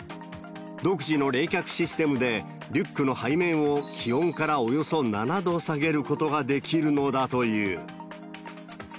独自の冷却システムで、リュックの背面を気温からおよそ７度下げることができるのだという。